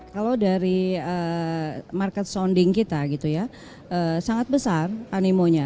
kalau dari market sounding kita sangat besar animonya